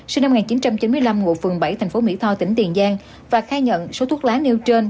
sinh năm một nghìn chín trăm chín mươi năm ngụ phường bảy thành phố mỹ tho tỉnh tiền giang và khai nhận số thuốc lá nêu trên